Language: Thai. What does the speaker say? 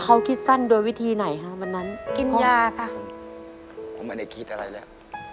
เขาคิดสั้นโดยวิธีไหนฮะวันนั้นกินยาค่ะผมไม่ได้คิดอะไรแล้ว